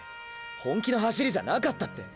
本気の走りじゃなかったって！